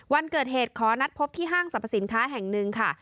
วันเกิดเหตุขอนัดพบที่ห้างสรรพสินค้าแห่งหนึ่งค่ะ